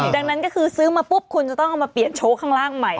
ดังนั้นก็คือซื้อมาปุ๊บคุณจะต้องเอามาเปลี่ยนโชว์ข้างล่างใหม่